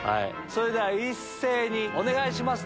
それでは一斉にお願いします。